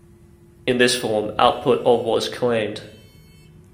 In this form, output of was claimed.